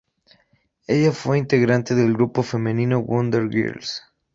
Ella fue integrante del grupo femenino Wonder Girls.